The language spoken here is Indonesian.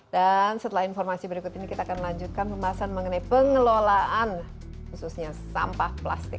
dan setelah informasi berikut ini kita akan melanjutkan pembahasan mengenai pengelolaan khususnya sampah plastik